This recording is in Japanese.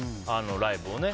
ライブをね。